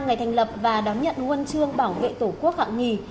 ngày thành lập và đón nhận nguồn trương bảo vệ tổ quốc hạng nhì